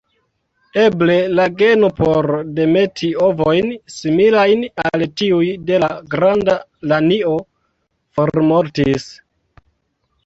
Eble la geno por demeti ovojn similajn al tiuj de la Granda lanio formortis.